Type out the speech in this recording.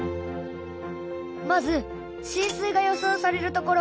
まず浸水が予想される所。